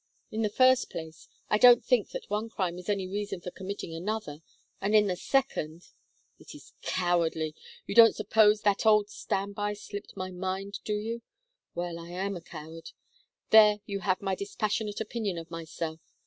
In the first place I don't think that one crime is any reason for committing another, and in the second " "It is cowardly! You don't suppose that old standby slipped my mind, do you? Well, I am a coward. There you have my dispassionate opinion of myself.